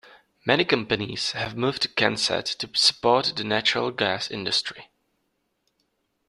Many companies have moved to Kensett to support the natural gas industry.